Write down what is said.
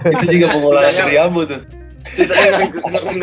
itu juga pemulaan teriambu tuh